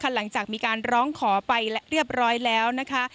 หลังจากมีการร้องขอไปและเรียบร้อยแล้วนะคะ